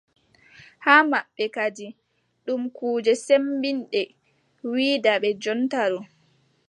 Haa maɓɓe kadi ɗum kuuje sembinnde wiʼɗaa ɓe jonta ɗo.